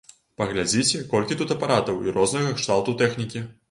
Паглядзіце, колькі тут апаратаў і рознага кшталту тэхнікі.